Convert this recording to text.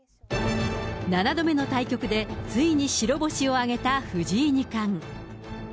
７度目の対局で、ついに白星を挙げた藤井二冠。